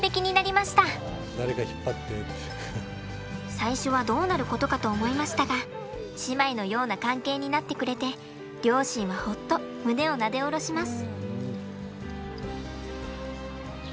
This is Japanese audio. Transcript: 最初はどうなることかと思いましたが姉妹のような関係になってくれて両親はホッと胸をなで下ろします。